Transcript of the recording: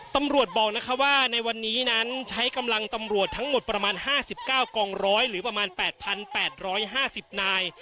ตำรวจบอกนะคะว่าในวันนี้นั้นใช้กำลังตำรวจทั้งหมดประมาณห้าสิบเก้ากองร้อยหรือประมาณแปดพันแปดร้อยห้าสิบนาย